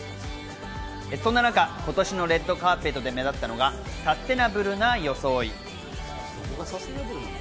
そんな中、今年のレッドカーペットで目立ったのがサステナブルな装い。